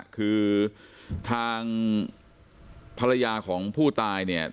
คือทางภรรยาของผู้ตายเนี่ย